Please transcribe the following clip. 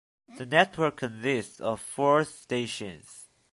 The network consists of four stations.